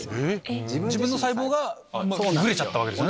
自分の細胞がグレちゃったわけですね。